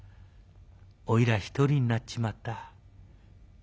おいら独りになっちまった。